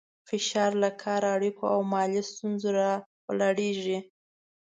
فشار له کار، اړیکو او مالي ستونزو راولاړېږي.